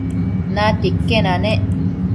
natia iquen yanec